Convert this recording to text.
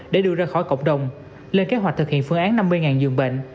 để đưa ra khỏi cộng đồng lên kế hoạch thực hiện phương án năm mươi dường bệnh